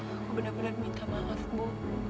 aku benar benar minta maaf bu